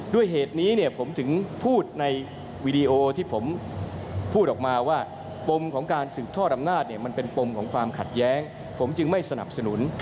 ด้วยเหตุนี้เนี่ยผมถึงพูดในวีดีโอที่ผมพูดออกมาว่าปมของการสืบทอดอำนาจเนี่ยมันเป็นปมของความขัดแย้งผมจึงไม่สนับสนุน